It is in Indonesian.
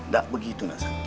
bukan begitu nak sakti